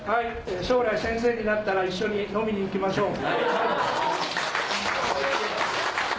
将来先生になったら一緒に飲みに行きましょう。